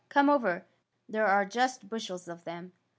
" Come over. There are just bushels of them!